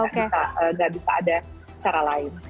nggak bisa ada cara lain